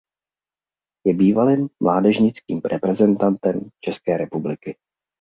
Je bývalým mládežnickým reprezentantem České republiky.